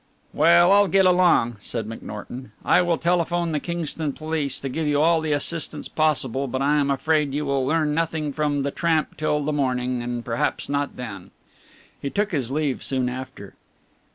"Well, I'll get along," said McNorton. "I will telephone the Kingston police to give you all the assistance possible, but I am afraid you will learn nothing from the tramp till the morning, and perhaps not then." He took his leave soon after.